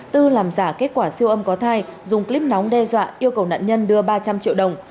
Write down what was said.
tư làm giả kết quả siêu âm có thai dùng clip nóng đe dọa yêu cầu nạn nhân đưa ba trăm linh triệu đồng